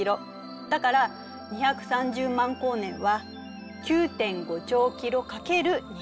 だから２３０万光年は９．５兆キロ×２３０万。